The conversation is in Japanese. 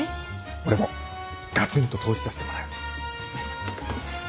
俺もガツンと投資させてもらう。